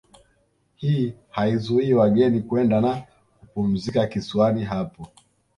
Hii haizuii wageni kwenda na kupumzika kisiwani hapo